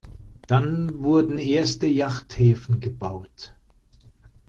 Dann wurden erste Yachthäfen gebaut.